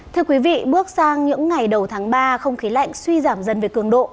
thưa quý vị bước sang những ngày đầu tháng ba không khí lạnh suy giảm dần về cường độ